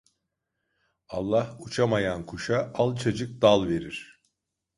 Allah uçamayan kuşa alçacık dal verir.